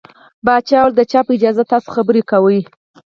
پاچا وويل د چا په اجازه تاسو خبرې کوٸ.